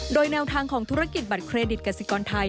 โดยแนวทางของธุรกิจบัตรเครดิตกษิกรไทย